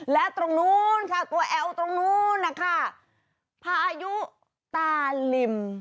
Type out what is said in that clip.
และตรงนู้นค่ะตัวแอลตรงนู้นนะคะพายุตาลิม